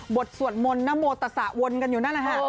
บทสวรรค์มณโมตสะวนกันอยู่นั่นนะฮะ